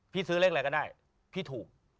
ซื้อเลขอะไรก็ได้พี่ถูก